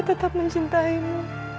saya tetap mencintaimu